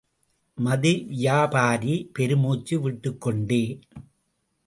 மது வியாபாரி, பெருமூச்சு விட்டுக்கொண்டே